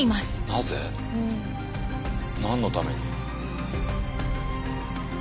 なぜ？何のために？